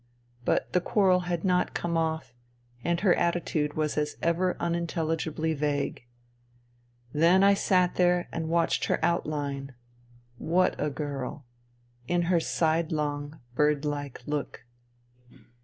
But the quarrel had not " come off," and her attitude was as ever unintelligibly vague. Then I sat there and watched her outline — ^what a girl !— ^and her side long, bird like look.